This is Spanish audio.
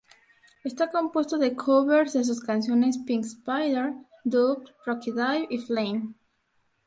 Está compuesto de covers de sus canciones "Pink Spider", "Doubt", "Rocket Dive" y "Flame".